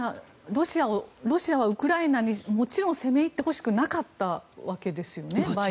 ロシアはウクライナにもちろん攻め入ってほしくなかったわけですよね